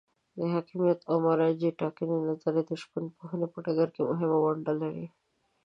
د حاکمیت او مرجع ټاکنې نظریه د ژبپوهنې په ډګر کې مهمه ونډه لري.